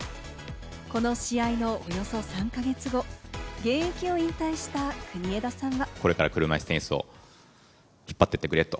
この試合のおよそ３か月後、現役を引退した国枝さんは。